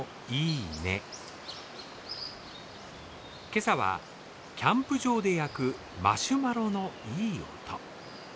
今朝はキャンプ場で焼くマシュマロのいい音。